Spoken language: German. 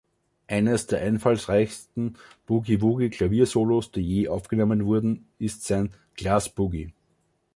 Eines der einfallsreichsten Boogie-Woogie-Klaviersolos, die je aufgenommen wurden, ist sein „Glass Boogie“.